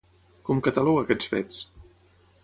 Com cataloga aquests fets?